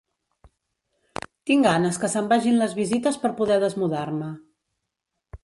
Tinc ganes que se'n vagin les visites per poder desmudar-me.